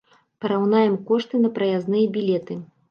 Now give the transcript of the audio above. Параўнаем кошты на праязныя білеты.